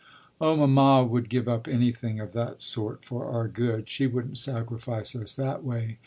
"Oh mamma would give up anything of that sort for our good; she wouldn't sacrifice us that way!"